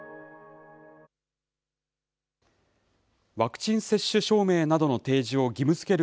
ワクチン接種証明などの提示を義務づける